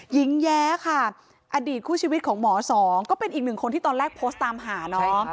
แย้ค่ะอดีตคู่ชีวิตของหมอสองก็เป็นอีกหนึ่งคนที่ตอนแรกโพสต์ตามหาเนาะ